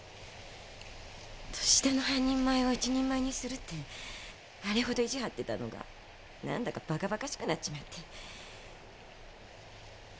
年下の半人前を一人前にするってあれほど意地張ってたのが何だか馬鹿馬鹿しくなっちまって。